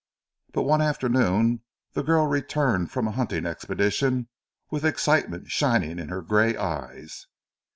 But one afternoon the girl returned from a hunting expedition with excitement shining in her grey eyes.